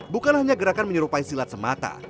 bukan hanya gerakan menyerupai silat semata